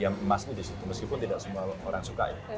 yang emasnya di situ meskipun tidak semua orang suka ya